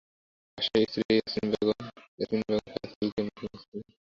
পাশে স্ত্রী ইয়াসমিন বেগম শাড়ির আঁচল দিয়ে মুছেই চলেছেন চোখের পানি।